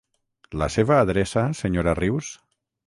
La seva adreça senyora Rius?